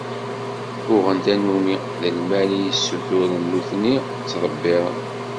Uɣen tannumi d lmal i yessuturen nutni ttḍebbiren.